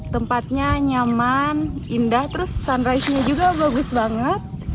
tempatnya nyaman indah terus sunrisenya juga bagus banget